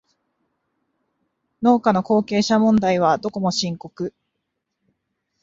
農家の後継者問題はどこも深刻